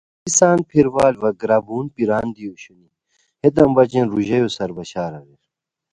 ای سان پھیر وال و ا گرابون پیران دی اوشونی ہیتان بچین ریژایو سار بشار اریر